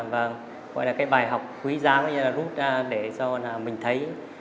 và gọi là cái bài học quý giá gọi là rút ra để cho là mình thấy